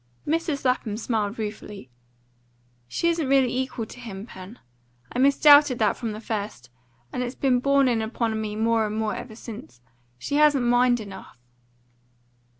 Mrs. Lapham smiled ruefully. "She isn't really equal to him, Pen. I misdoubted that from the first, and it's been borne in upon me more and more ever since. She hasn't mind enough."